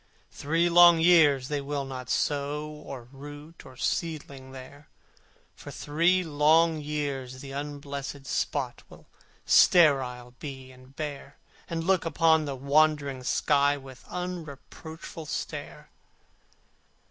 For three long years they will not sow Or root or seedling there: For three long years the unblessed spot Will sterile be and bare, And look upon the wondering sky With unreproachful stare.